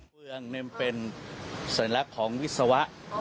เมืองเป็นสัญลักษณ์ของวิศวะ